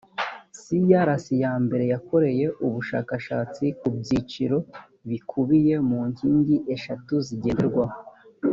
crc yambere yakoreye ubushakashatsi ku byiciro bikubiye mu nkingi eshatu zigenderwaho